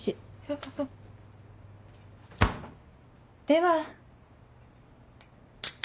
では。